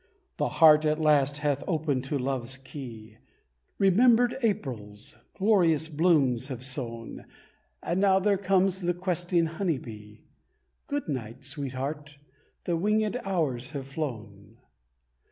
Thy heart at last hath opened to Love's key; Remembered Aprils, glorious blooms have sown, And now there comes the questing honey bee. Good night, Sweetheart; the wingèd hours have flown.